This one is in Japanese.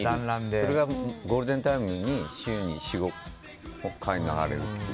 それがゴールデンタイムに週４５回流れるという。